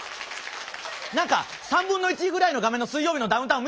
何か３分の１ぐらいの画面の「水曜日のダウンタウン」